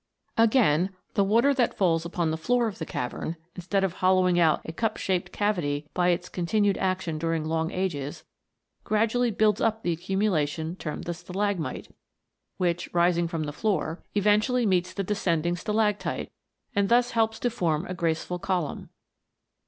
Again, the water that falls upon the floor of the cavern, instead of hollowing out a cup shaped cavity by its continued action during long ages, gradually builds up the accumulation termed the stalagmite, which, rising from the floor, eventually meets the descending stalactite, and thus helps to form a graceful column.